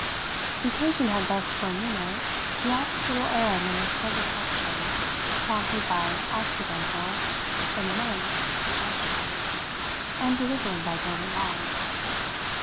The occasion had thus for a minute the oddest little air of an aesthetic lecture prompted by accidental, but immense, suggestions and delivered by Gilbert Long.